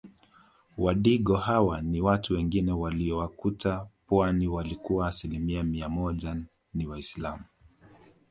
Wadigo hawa na watu wengine waliowakuta pwani walikuwa asilimia mia moja ni waislamu